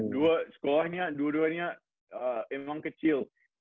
dan sekolahnya dua duanya emang kecil